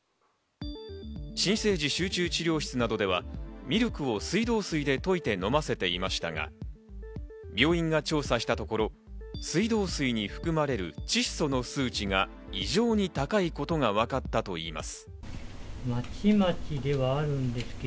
新生児集中治療室などでは、ミルクを水道水で溶いて飲ませていましたが、病院が調査したところ、水道水に含まれる窒素の数値が異常に高いことがわかったといいます。